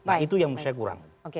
nah itu yang saya kurang